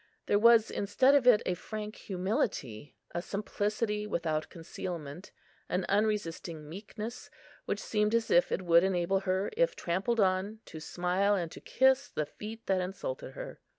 There was instead of it a frank humility, a simplicity without concealment, an unresisting meekness, which seemed as if it would enable her, if trampled on, to smile and to kiss the feet that insulted her.